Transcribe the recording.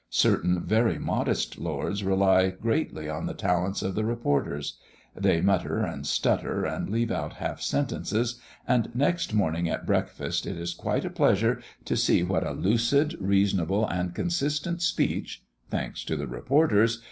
Certain very modest lords rely greatly on the talents of the reporters; they mutter, and stutter, and leave out half sentences, and next morning at breakfast it is quite a pleasure to see what a lucid, reasonable, and consistent speech (thanks to the reporters!)